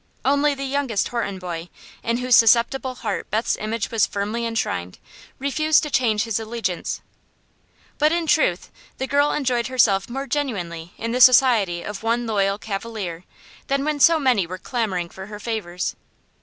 Only the youngest Horton boy, in whose susceptible heart Beth's image was firmly enshrined, refused to change his allegiance; but in truth the girl enjoyed herself more genuinely in the society of one loyal cavalier than when so many were clamoring for her favors.